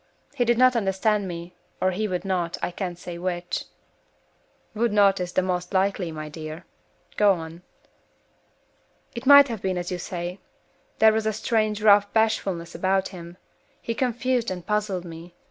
He did not understand me, or he would not, I can't say which." "'Would not,' is the most likely, my dear. Go on." "It might have been as you say. There was a strange, rough bashfulness about him. He confused and puzzled me.